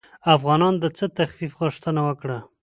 افغانانو د څه تخفیف غوښتنه وکړه.